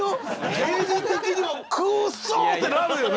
芸人的にはくそ！ってなるよね。